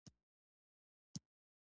د مینې ارزښت په صداقت کې دی.